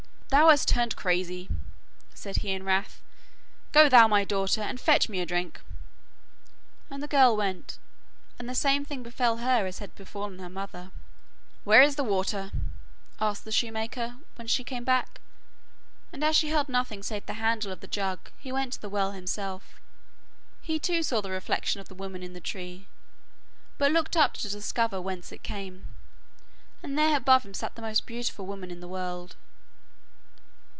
'Thou hast turned crazy,' said he in wrath. 'Go thou, my daughter, and fetch me a drink,' and the girl went, and the same thing befell her as had befallen her mother. 'Where is the water?' asked the shoemaker, when she came back, and as she held nothing save the handle of the jug he went to the well himself. He too saw the reflection of the woman in the tree, but looked up to discover whence it came, and there above him sat the most beautiful woman in the world.